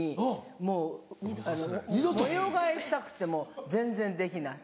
もう模様替えしたくても全然できない。